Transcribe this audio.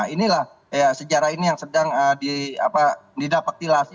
inilah sejarah ini yang sedang didapetilasi